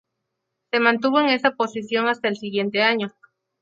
Se mantuvo en esa posición hasta el siguiente año.